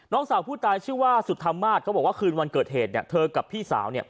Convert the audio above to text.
สาวผู้ตายชื่อว่าสุธรรมาศเขาบอกว่าคืนวันเกิดเหตุเธอกับพี่สาว